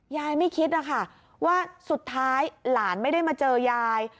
ไม่คิดนะคะว่าสุดท้ายหลานไม่ได้มาเจอยาย